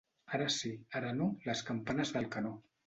Ara sí, ara no, les campanes d'Alcanó.